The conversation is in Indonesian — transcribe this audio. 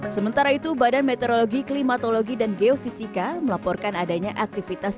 sementara itu badan meteorologi klimatologi dan geofisika melaporkan adanya aktivitas